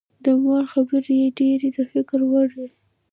د مور خبرې یې ډېرې د فکر وړ وې